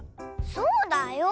そうだよ！